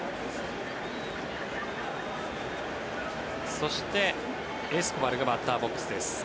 そして、エスコバルがバッターボックスです。